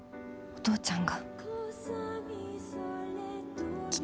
お父ちゃん！